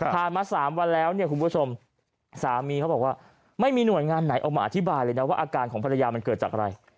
มา๓วันแล้วเนี่ยคุณผู้ชมสามีเขาบอกว่าไม่มีหน่วยงานไหนออกมาอธิบายเลยนะว่าอาการของภรรยามันเกิดจากอะไร